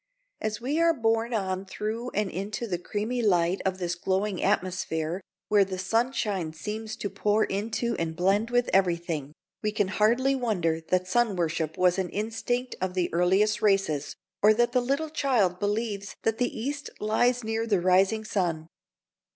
As we are borne on through and into the creamy light of this glowing atmosphere, where the sunshine seems to pour into and blend with everything, we can hardly wonder that sun worship was an instinct of the earliest races, or that the little child believes that the East lies near the rising sun.